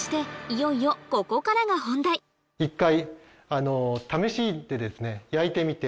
いよいよここからが一回。